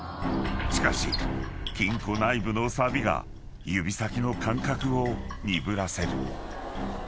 ［しかし金庫内部のサビが指先の感覚を鈍らせる］